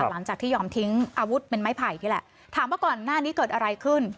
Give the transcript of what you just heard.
หลังจากที่ยอมทิ้งอาวุธเป็นไม้ไผ่นี่แหละถามว่าก่อนหน้านี้เกิดอะไรขึ้น